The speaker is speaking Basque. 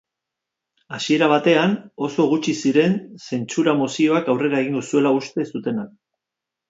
Hasiera batean, oso gutxi ziren zentsura-mozioak aurrera egingo zuela uste zutenak.